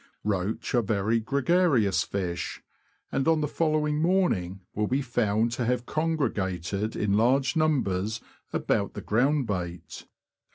Roach are very gregarious fish, and on the follow ing morning will be found to have congregated in large numbers about the ground bait.